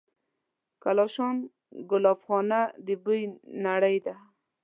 د کاشان ګلابخانه د بوی نړۍ ده.